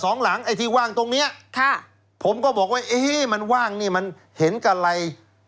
อ๋อสองหลังไอ้ที่ว่างตรงนี้ผมก็บอกว่ามันว่างนี่มันเห็นกับอะไร